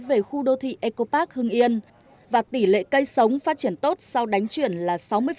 về khu đô thị eco park hưng yên và tỷ lệ cây sống phát triển tốt sau đánh chuyển là sáu mươi